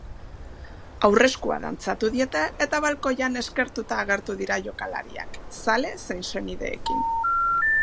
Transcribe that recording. Aurreskua dantzatu diete eta balkoian eskertuta agertu dira jokalariak, zale zein senideekin.